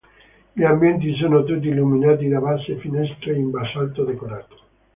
Gli ambienti sono tutti illuminati da basse finestre in basalto decorato.